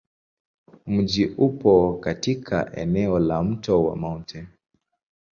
Mji upo katika eneo la Mto wa Mt.